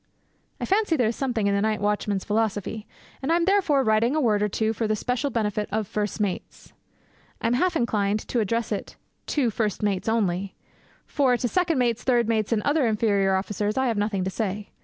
I fancy there is something in the night watchman's philosophy; and I am therefore writing a word or two for the special benefit of first mates. I am half inclined to address it 'to first mates only,' for to second mates, third mates, and other inferior officers I have nothing to say.